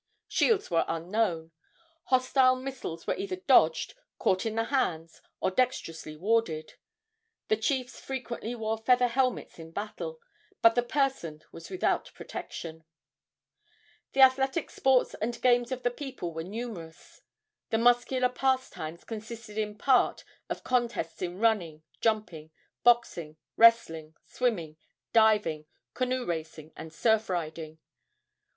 Shields were unknown. Hostile missiles were either dodged, caught in the hands, or dexterously warded. The chiefs frequently wore feather helmets in battle, but the person was without protection. The athletic sports and games of the people were numerous. The muscular pastimes consisted in part of contests in running, jumping, boxing, wrestling, swimming, diving, canoe racing and surf riding.